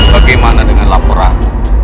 bagaimana dengan laporan